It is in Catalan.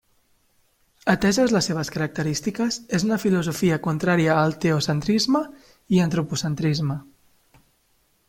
Ateses les seves característiques, és una filosofia contrària al teocentrisme i antropocentrisme.